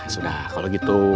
sudah kalau gitu